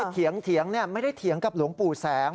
ที่เถียงเนี่ยไม่ได้เถียงกับหลวงปู่แสง